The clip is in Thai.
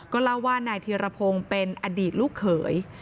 เล่าว่านายธีรพงศ์เป็นอดีตลูกเขย